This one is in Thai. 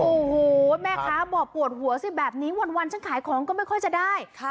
โอ้โหแม่ค้าบอกปวดหัวสิแบบนี้วันฉันขายของก็ไม่ค่อยจะได้